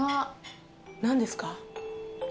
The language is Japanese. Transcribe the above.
何ですか？